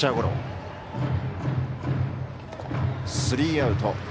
スリーアウト。